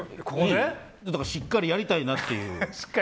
しっかりやりたいなっていう。